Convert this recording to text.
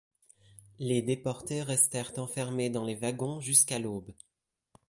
Les déportés restèrent enfermés dans les wagons jusqu'à l'aube.